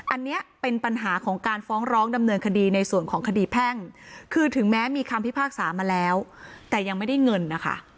อันนี้เป็นปัญหาของการฟ้องร้องดำเนินคดีในส่วนของคดีแพ่งคือถึงแม้มีคำพิพากษามาแล้วแต่ยังไม่ได้เงินนะคะ